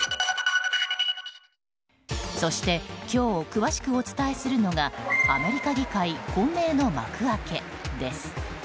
そして今日詳しくお伝えするのがアメリカ議会、混迷の幕開けです。